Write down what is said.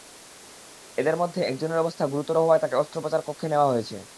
এঁদের মধ্যে একজনের অবস্থা গুরুতর হওয়ায় তাঁকে অস্ত্রোপচার কক্ষে নেওয়া হয়েছে।